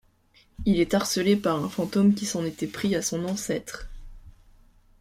Il est harcelé par un fantôme qui s'en était pris à son ancêtre.